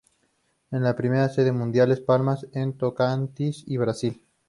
La primera sede mundial es Palmas, en Tocantins, Brasil.